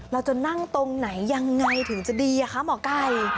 เราจะนั่งตรงไหนยังไงถึงจะดีอะคะหมอไก่